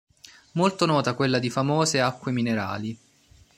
Molto nota quella di famose acque minerali.